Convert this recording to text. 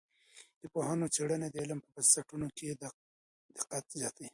د پوهانو څېړنې د علم په بنسټونو کي دقت زیاتوي.